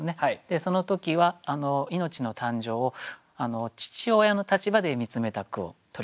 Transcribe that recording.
その時は命の誕生を父親の立場で見つめた句を取り上げました。